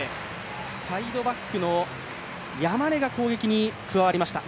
サイドバックの山根が攻撃に加わりました。